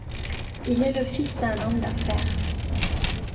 Il est le fils d'un homme d'affaires.